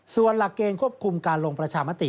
ส่วนหลักเกณฑ์ควบคุมการลงประชามติ